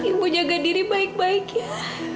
ibu jaga diri baik baik ya